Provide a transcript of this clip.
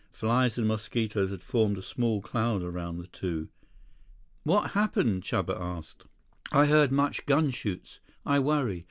Flies and mosquitoes had formed a small cloud around the two. "What happened?" Chuba asked. "I heard much gun shoots. I worry.